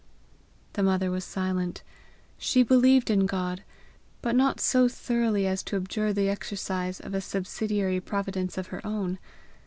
The mother was silent. She believed in God, but not so thoroughly as to abjure the exercise of a subsidiary providence of her own.